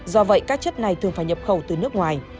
do vậy các chất này thường phải nhập khẩu từ nước ngoài